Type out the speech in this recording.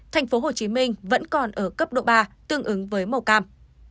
tp hcm vẫn còn ở cấp độ ba tương ứng với màu cam